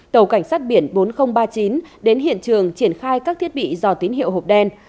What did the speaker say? tàu cảnh sát biển bốn nghìn ba mươi chín đến hiện trường triển khai các thiết bị dò tín hiệu hộp đen